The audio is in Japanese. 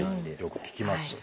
よく聞きます。